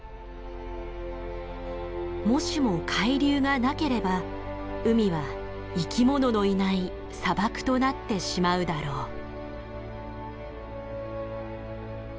もしも海流がなければ海は生きもののいない砂漠となってしまうだろう。